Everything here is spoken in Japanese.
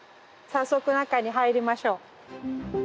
早速中に入りましょう。